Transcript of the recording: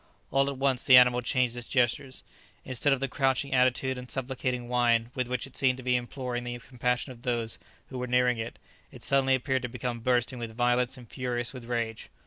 All at once the animal changed its gestures. Instead of the crouching attitude and supplicating whine with which it seemed to be imploring the compassion of those who were nearing it, it suddenly appeared to become bursting with violence and furious with rage.